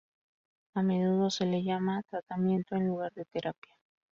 A menudo se la llama "tratamiento" en lugar de "terapia".